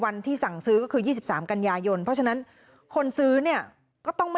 เอาไปฟังเสียงของทางเจ้าของเพจกันหน่อยค่ะ